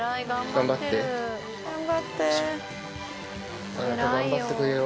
頑張ってくれよ。